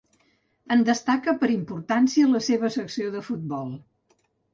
En destaca per importància la seva secció de futbol.